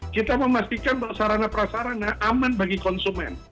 kita memastikan bahwa sarana prasarana aman bagi konsumen